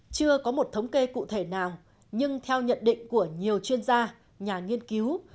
chưa có một thống kê cụ thể nào nhưng theo nhận định của nhiều chuyên gia nhà nghiên cứu